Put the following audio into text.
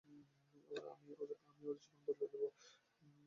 আমি ওর জীবন বদলে দেব।